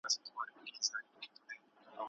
خاوند او ميرمن دواړه بايد څه ته توجه وکړي؟